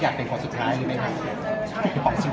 เค้าต้องบอกเค้าควรแต่เค้ารอเวลาที่มองค์ฟอร์ม